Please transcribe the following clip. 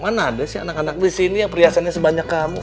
mana ada sih anak anak di sini yang perhiasannya sebanyak kamu